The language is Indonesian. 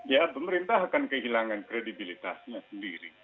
ya pemerintah akan kehilangan kredibilitasnya sendiri